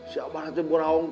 siapa nanti gue rawang kek